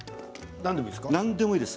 何でもいいです。